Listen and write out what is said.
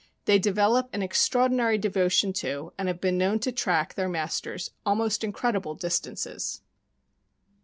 They develop an extraordinary devotion to, and have been known to track their masters almost incred ible distances.